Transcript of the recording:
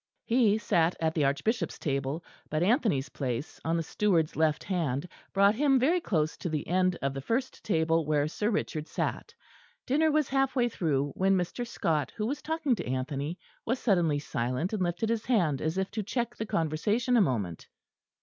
He sat at the Archbishop's table, but Anthony's place, on the steward's left hand, brought him very close to the end of the first table where Sir Richard sat. Dinner was half way through, when Mr. Scot who was talking to Anthony, was suddenly silent and lifted his hand as if to check the conversation a moment.